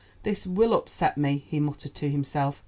this will upset me," he muttered to himself.